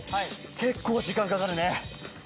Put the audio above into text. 結構時間かかるね。